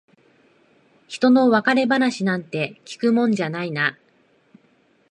ひとの別れ話なんて聞くもんじゃないな。